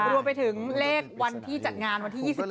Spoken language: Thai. รวมไปถึงเลขวันที่จัดงานวันที่๒๗